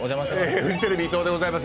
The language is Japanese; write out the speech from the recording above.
フジテレビ伊藤でございます。